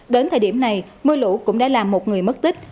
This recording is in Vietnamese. đến thời điểm này mưa lũ cũng đã làm một người mất tích